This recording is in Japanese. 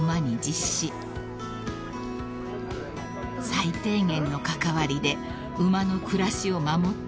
［最低限の関わりで馬の暮らしを守っていく］